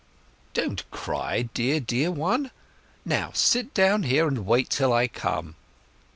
"Don't cry, dear, dear one! Now sit down here, and wait till I come."